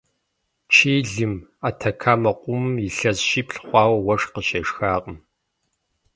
Чилим, Атакамэ къумым, илъэс щиплӏ хъуауэ уэшх къыщешхакъым.